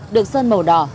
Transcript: được sơn màu đỏ